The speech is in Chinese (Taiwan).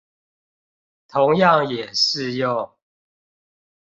同樣也適用